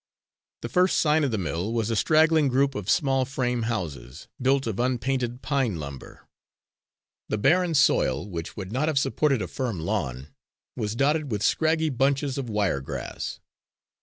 The first sign of the mill was a straggling group of small frame houses, built of unpainted pine lumber. The barren soil, which would not have supported a firm lawn, was dotted with scraggy bunches of wiregrass.